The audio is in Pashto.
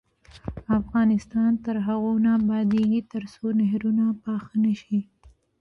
افغانستان تر هغو نه ابادیږي، ترڅو نهرونه پاخه نشي.